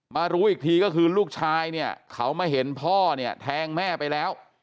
มารู้อีกทีก็คือลูกชายเขามาเห็นพ่อแทงแม่ไปแล้ว